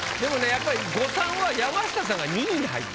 やっぱり誤算は山下さんが２位に入ってること。